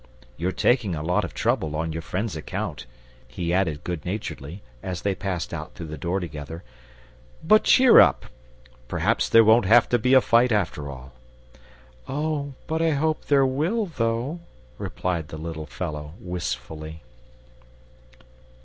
You're taking a lot of trouble on your friend's account," he added, good naturedly, as they passed out through the door together. "But cheer up! Perhaps there won't have to be any fight after all." "Oh, but I hope there will, though!" replied the little fellow, wistfully.